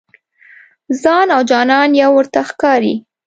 ځان او جانان یو ورته ښکاري.